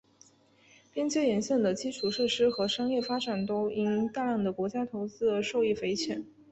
边界沿线的基础设施和商业发展都因大量的国家投资而受益匪浅。